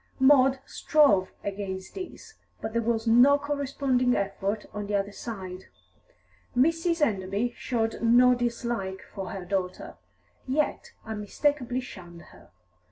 Maud strove against this, but there was no corresponding effort on the other side; Mrs. Enderby showed no dislike for her daughter, yet unmistakably shunned her.